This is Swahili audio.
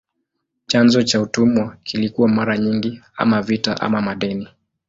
Chanzo cha utumwa kilikuwa mara nyingi ama vita ama madeni.